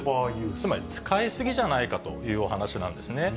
つまり使い過ぎじゃないかというお話しなんですね。